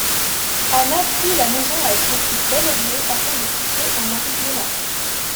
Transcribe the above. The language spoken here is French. Anna fuit la maison avec son fils Valerio afin de quitter un mari violent.